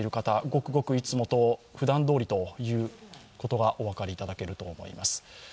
ごくごくいつもと、ふだんどおりということがお分かりいただけると思います。